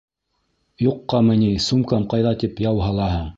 Юҡҡамы ни сумкам ҡайҙа тип яу һалаһың!